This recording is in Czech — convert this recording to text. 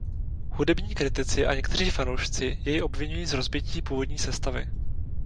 Hudební kritici a někteří fanoušci jej obviňují z rozbití původní sestavy.